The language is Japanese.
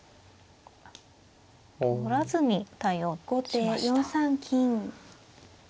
取らずに対応しました。